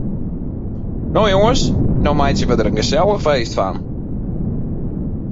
No jonges, no meitsje we der in gesellich feest fan.